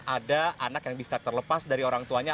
ada anak yang bisa terlepas dari orang tuanya